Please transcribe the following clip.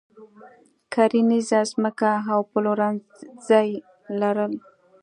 کرنیزه ځمکه او پلورنځي لرل.